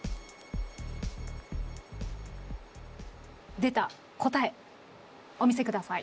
出た答えお見せください。